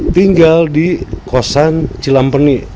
tinggal di kosan cilampeni